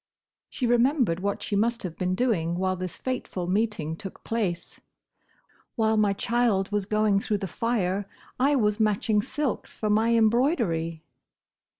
She remembered what she must have been doing while this fateful meeting took place. "While my child was going through the fire, I was matching silks for my embroidery!"